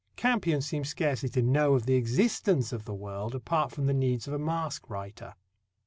Campion seems scarcely to know of the existence of the world apart from the needs of a masque writer.